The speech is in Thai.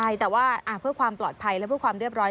ใช่แต่ว่าเพื่อความปลอดภัยและเพื่อความเรียบร้อย